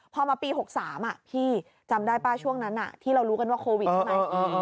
พอมาปี๖๓พี่จำได้ป่ะช่วงนั้นที่เรารู้กันว่าโควิดใช่ไหม